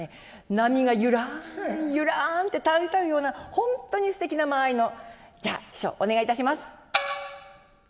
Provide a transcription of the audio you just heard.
波がゆらんゆらんってたゆたうような本当にすてきな間合いのじゃあ師匠お願いいたします。